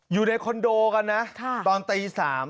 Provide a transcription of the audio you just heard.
อยู่ในคอนโดกันนะตอนตี๓